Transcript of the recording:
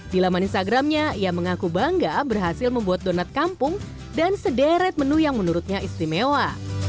di laman instagramnya ia mengaku bangga berhasil membuat donat kampung dan sederet menu yang menurutnya istimewa